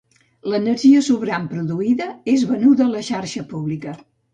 L'energia sobrant produïda és venuda a la xarxa pública.